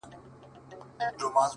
• جـنــگ له فريادي ســــره؛